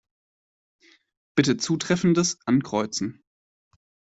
Bitte Zutreffendes ankreuzen.